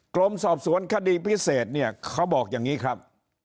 กรมสอบสวนคดีพิเศษเนี่ยเขาบอกอย่างนี้ครับ